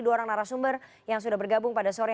dua orang narasumber yang sudah bergabung pada sore